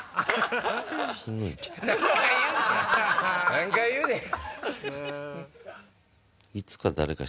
何回言うねん！